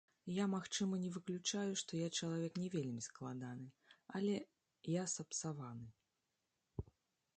Я, магчыма, не выключаю, што я чалавек не вельмі складаны, яле я сапсаваны.